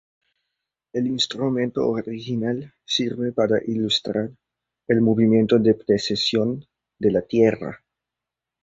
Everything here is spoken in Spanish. El instrumento original sirve para ilustrar el movimiento de precesión de la Tierra.